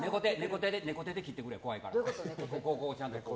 猫手で切ってくれ、怖いから。